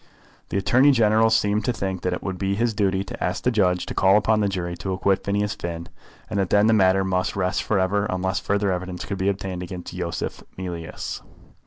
The Attorney General seemed to think that it would be his duty to ask the judge to call upon the jury to acquit Phineas Finn, and that then the matter must rest for ever, unless further evidence could be obtained against Yosef Mealyus.